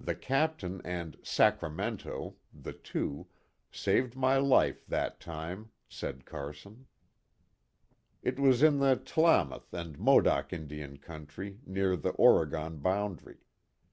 "The Captain and * Sacramento' the two saved my life that time," said Carson. It was in the Tlamath and Modoc Indian country, near the Oregon boundary.